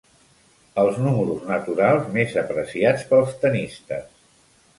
Els números naturals més apreciats pels tennistes.